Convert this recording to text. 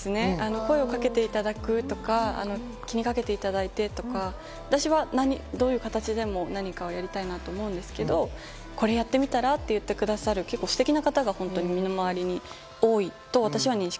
声をかけていただくとか、気にかけていただいてとか、私はどういう形でも何かやりたいなと思うんですけど、これやってみたらって言ってくださるステキな方が身の回りに多いと私は認識